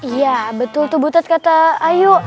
iya betul tuh butet kata ayu